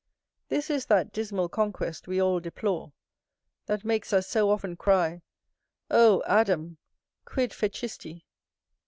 This is that dismal conquest we all deplore, that makes us so often cry, O Adam, _quid fecisti?